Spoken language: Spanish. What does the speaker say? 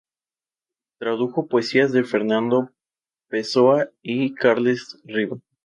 Tradujo poesías de Fernando Pessoa y Carles Riba.